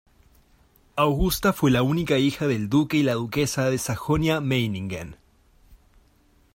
Augusta fue la única hija del duque y la duquesa de Sajonia-Meiningen.